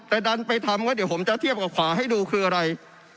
แต่ดันไปทำก็เดี๋ยวผมจะเทียบกับขวาให้ดูคืออะไร